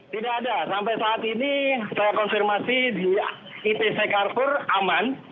tidak ada sampai saat ini saya konfirmasi di itc carrefour aman